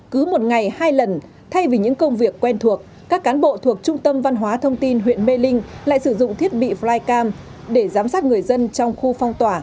cứ một ngày hai lần thay vì những công việc quen thuộc các cán bộ thuộc trung tâm văn hóa thông tin huyện mê linh lại sử dụng thiết bị flycam để giám sát người dân trong khu phong tỏa